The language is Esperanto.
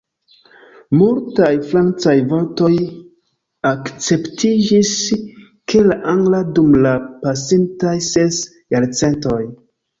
Multaj francaj vortoj akceptiĝis de la angla dum la pasintaj ses jarcentoj.